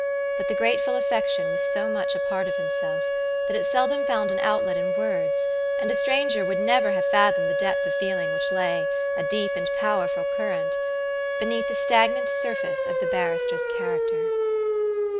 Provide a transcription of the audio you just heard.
But the grateful affection was so much a part of himself, that it seldom found an outlet in words, and a stranger would never have fathomed the depth of feeling which lay, a deep and powerful current, beneath the stagnant surface of the barrister's character.